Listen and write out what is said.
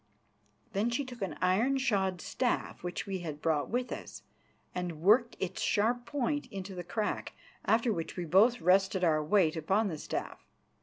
Then she took an iron shod staff which we had brought with us, and worked its sharp point into the crack, after which we both rested our weight upon the staff.